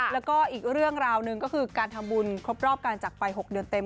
แล้วก็อีกเรื่องราวหนึ่งก็คือการทำบุญครบรอบการจักรไป๖เดือนเต็ม